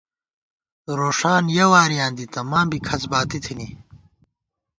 روݭان یَہ وارِیاں دِتہ ماں بی کھسباتی تھنی